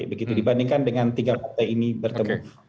begitu dibandingkan dengan tiga partai ini bertemu